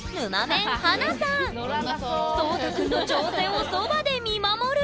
蒼太くんの挑戦をそばで見守る！